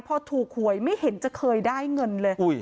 พอถูกหวยไม่เห็นจะเคยได้เงินเลย